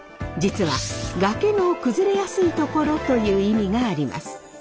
実は崖の崩れやすいところという意味があります。